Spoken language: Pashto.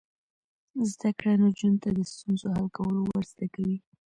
زده کړه نجونو ته د ستونزو حل کول ور زده کوي.